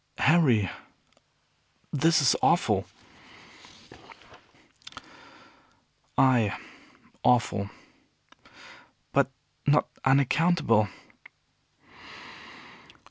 "Harry, this is awful." "Ay, awful." "But not unaccountable."